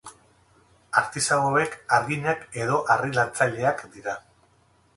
Artisau hauek harginak edo harri-lantzaileak dira.